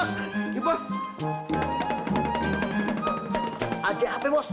siapa juga itu lagi